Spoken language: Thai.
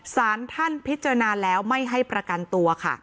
สารท่านพิจารณาแล้วไม่ให้ประกันตัวค่ะ